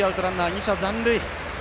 ２者残塁。